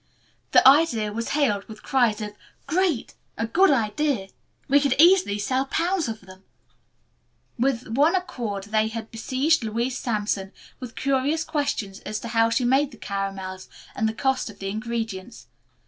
the idea was hailed with cries of "Great," "A good idea." "We could easily sell pounds of them." With one accord they had besieged Louise Sampson with curious questions as to how she had made the caramels and the cost of the ingredients.